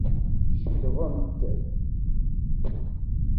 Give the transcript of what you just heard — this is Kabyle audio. Cekḍent.